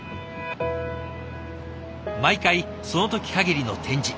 毎回その時限りの展示。